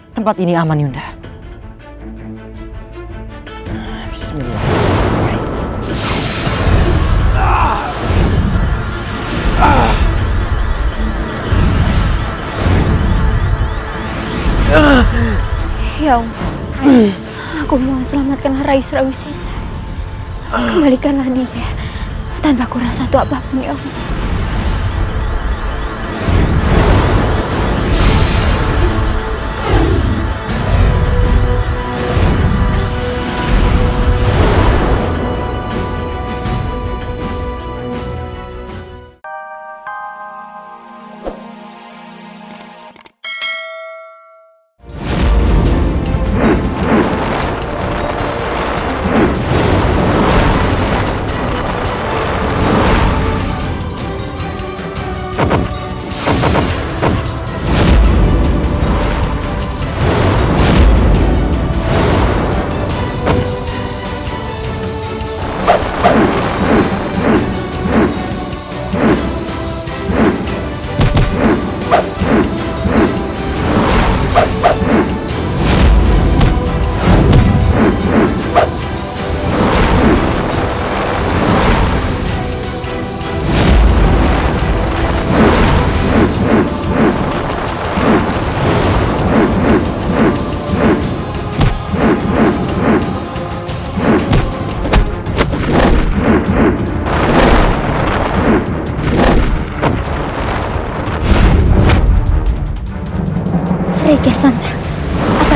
sampai jumpa di video selanjutnya